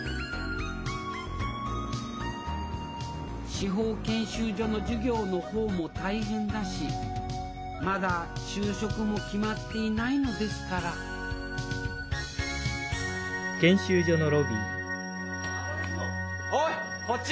司法研修所の授業の方も大変だしまだ就職も決まっていないのですからおいこっち！